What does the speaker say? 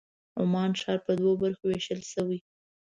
عمان ښار په دوو برخو وېشل شوی.